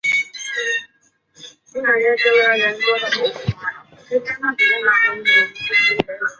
圣米歇尔德拉罗埃人口变化图示